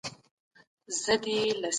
په ادارو کي باید د کارونو روڼتیا وي.